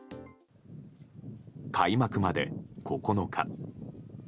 開幕まで９日。